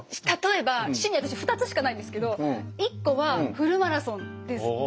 例えば趣味私２つしかないんですけど１個はフルマラソンです。